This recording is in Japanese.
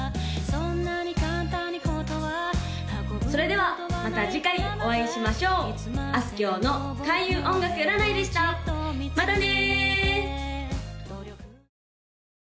そんなに簡単にコトはそれではまた次回お会いしましょうあすきょうの開運音楽占いでしたまたね！